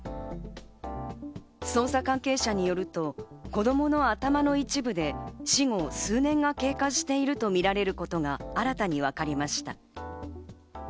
捜査関係者によると、子供の頭の一部で死後、数年が経過しているとみられることが新たに分かりました。